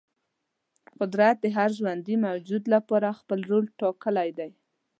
قدرت د هر ژوندې موجود لپاره خپل رول ټاکلی دی.